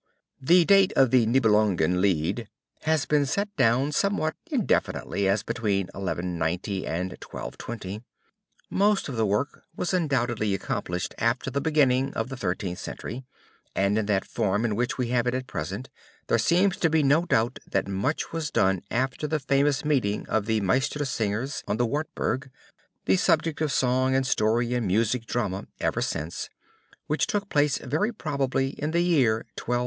The date of the Nibelungen Lied has been set down somewhat indefinitely as between 1190 and 1220. Most of the work was undoubtedly accomplished after the beginning of the Thirteenth Century and in the form in which we have it at present, there seems to be no doubt that much was done after the famous meeting of the Meistersingers on the Wartburg the subject of song and story and music drama ever since, which took place very probably in the year 1207.